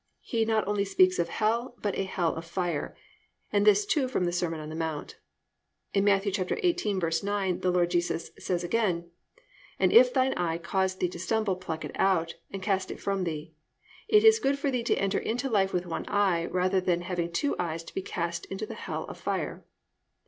He not only speaks of hell, but a "hell of fire," and this too is from the Sermon on the Mount. In Matt. 18:9 the Lord Jesus says again, +"And if thine eye cause thee to stumble, pluck it out, and cast it from thee; it is good for thee to enter into life with one eye, rather than having two eyes to be cast into the hell of fire."